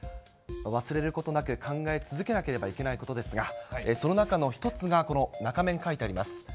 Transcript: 忘れることなく、考え続けなければいけないことですが、その中の一つが、この中面に書いてあります。